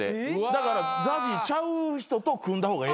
だからＺＡＺＹちゃう人と組んだ方がええのよ。